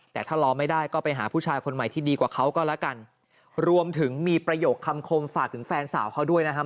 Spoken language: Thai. แต่ถ้ารอไม่ได้ก็ไปหาผู้ชายคนใหม่ที่ดีกว่าเขาก็แล้วกันรวมถึงมีประโยคคำคมฝากถึงแฟนสาวเขาด้วยนะครับ